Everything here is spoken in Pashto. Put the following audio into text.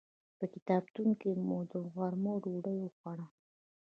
په کتابتون کې مو د غرمې ډوډۍ وخوړه.